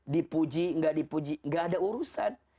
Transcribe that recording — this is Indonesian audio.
dipuji gak dipuji gak ada urusan